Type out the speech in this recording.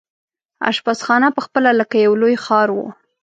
اشپزخانه پخپله لکه یو لوی ښار وو.